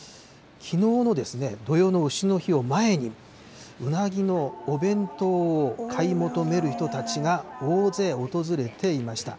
きのうの土用のうしの日を前に、うなぎのお弁当を買い求める人たちが大勢訪れていました。